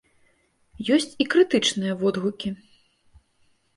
Ёсць і крытычныя водгукі.